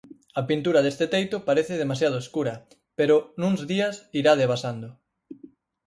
A pintura deste teito parece demasiado escura, pero nuns días irá debasando.